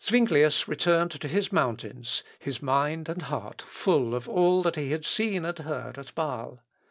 Zuinglius returned to his mountains, his mind and heart full of all that he had seen and heard at Bâle.